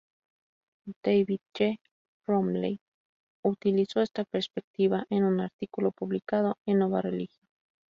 David G. Bromley utilizó esta perspectiva en un artículo publicado en "Nova Religio".